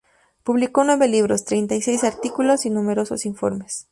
Publicó nueve libros, treinta y seis artículos y numerosos informes.